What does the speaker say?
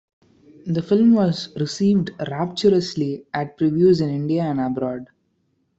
The film was received rapturously at previews in India and abroad.